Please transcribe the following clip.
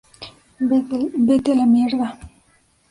Vete a la mierda